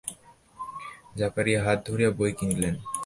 জাকারিয়া হাত বাড়িয়ে বই নিলেন।